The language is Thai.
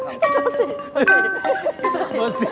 เจ้าตัวสี่